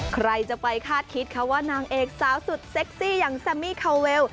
ใครจะไปคาดคิดค่ะว่านางเอกสาวสุดเซ็กซี่อย่างแซมมี่คาเวล